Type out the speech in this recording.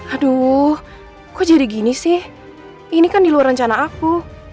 aduh kok jadi gini sih ini kan di luar rencana aku